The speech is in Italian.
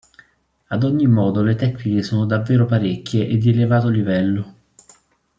Ad ogni modo le tecniche sono davvero parecchie e di elevato livello.